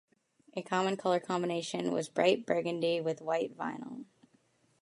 A common color combination was bright burgundy with white vinyl.